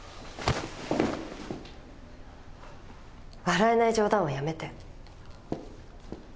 笑えない冗談はやめて。